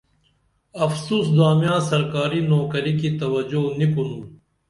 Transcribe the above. افسوس دامیاں سرکاری نوکری کی توجو نی کُنُن